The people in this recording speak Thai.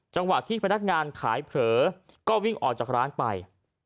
จังหวะที่พนักงานขายเผลอก็วิ่งออกจากร้านไป